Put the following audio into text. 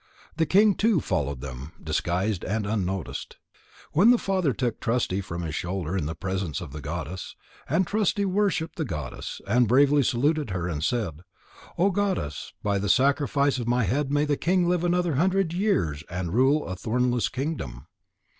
The king too followed them, disguised and unnoticed. Then the father took Trusty from his shoulder in the presence of the goddess. And Trusty worshipped the goddess, and bravely saluted her, and said: "O Goddess, by the sacrifice of my head may the king live another hundred years and rule a thornless kingdom."